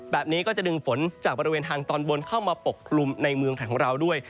แบบนี้ก็จะดึงฝนจากบริเวณทางตอนบนเข้ามาปกคลุมในเมืองไทยของเราด้วย